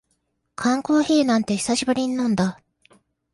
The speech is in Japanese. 缶コーヒーなんて久しぶりに飲んだ